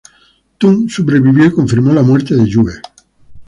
Tung sobrevivió y confirmó la muerte de Yue.